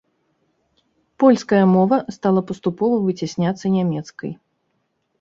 Польская мова стала паступова выцясняцца нямецкай.